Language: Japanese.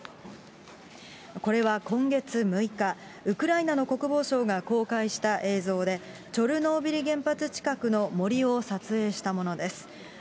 これは今月６日、ウクライナの国防省が公開した映像で、チョルノービリ原発近くの森を撮影したものです。